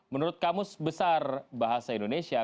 menurut kamus besar bahasa indonesia